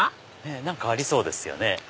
何かありそうですよね。